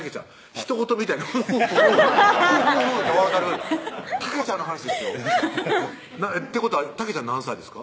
他人事みたいに「フフフ」って笑ってたけちゃんの話ですよってことはたけちゃん何歳ですか？